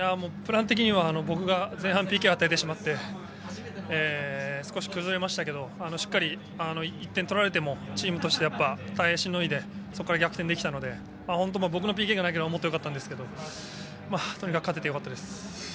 プラン的には僕が前半ＰＫを与えてしまって少し崩れましたけどしっかり１点取られてもチームとして耐えしのいでそこから逆転できたので本当、僕のＰＫがなければもっとよかったんですけどとにかく勝ててよかったです。